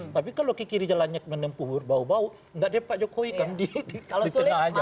tapi kalau ke kiri jalannya menempuh bau bau nggak ada pak jokowi kan di tengah aja